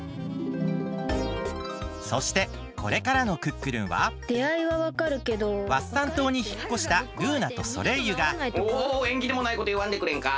そしてこれからの「クックルン」はワッサンとうにひっこしたルーナとソレイユがおえんぎでもないこといわんでくれんか。